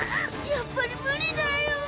やっぱり無理だよ。